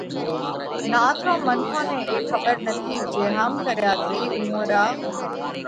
نات رو منکون نئہ اي کٻر نٿِي جي هم ڪريا ٿِي اُوئون را